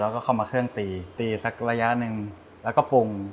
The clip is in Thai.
แล้วก็เข้ามาเครื่องตีตีสักระยะหนึ่งแล้วก็ปรุง